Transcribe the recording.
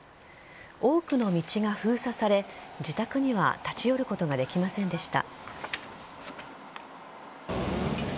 多くの道が封鎖され自宅には立ち寄ることができませんでした。